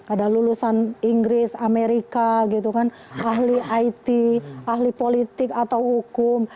ada lulusan inggris amerika gitu kan ahli it ahli politik atau hukum